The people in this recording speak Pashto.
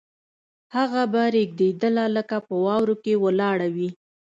هغه به رېږدېدله لکه په واورو کې ولاړه وي